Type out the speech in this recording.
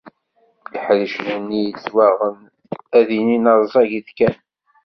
Iḥricen-nni yettwaɣen ad ilin rẓagit kan.